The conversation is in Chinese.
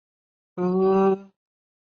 尾张国城主。